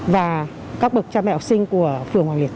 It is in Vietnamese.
và các bậc cha mẹ học sinh của phường hoàng liệt